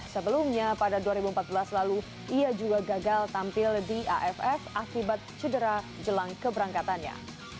sebelumnya pada dua ribu empat belas lalu ia juga gagal tampil di aff akibat cedera jelang keberangkatannya